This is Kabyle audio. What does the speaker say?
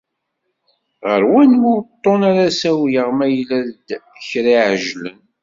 Ɣer wanwa uṭṭun ara ssawleɣ ma yella-d kra iεeǧlen?